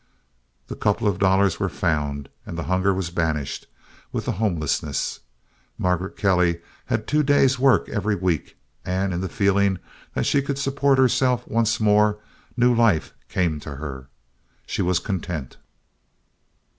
The couple of dollars were found and the hunger was banished with the homelessness. Margaret Kelly had two days' work every week, and in the feeling that she could support herself once more new life came to her. She was content.